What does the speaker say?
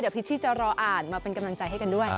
พิชชี่จะรออ่านมาเป็นกำลังใจให้กันด้วย